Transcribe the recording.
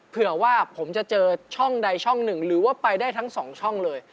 เผื่อว่าผมจะเจอช่องใดช่องหนึ่งหรือว่าไปได้ทั้งสองช่องเลย